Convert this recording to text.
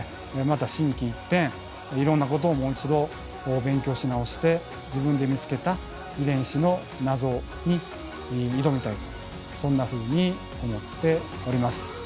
また心機一転いろんなことをもう一度勉強し直して自分で見つけた遺伝子の謎に挑みたいとそんなふうに思っております。